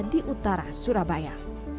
di utara surabaya